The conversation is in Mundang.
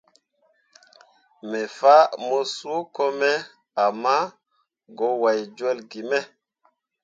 Me fah mo suuko me ama go wai jolle ge me.